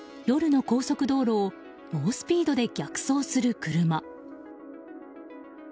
夜の高速道路を猛スピードで逆走する車。